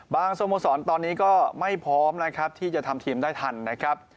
สโมสรตอนนี้ก็ไม่พร้อมนะครับที่จะทำทีมได้ทันนะครับ